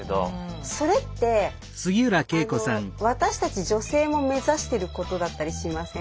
それって私たち女性も目指してることだったりしません？